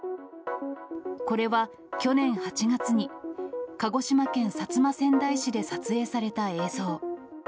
これは去年８月に、鹿児島県薩摩川内市で撮影された映像。